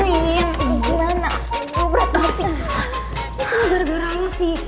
ini gara gara lu sih